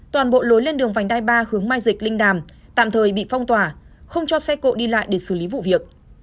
toàn bộ lối lên đường vành đai ba hướng mai dịch linh đàm tạm thời bị phong tỏa không cho xe cộ đi lại để xử lý vụ việc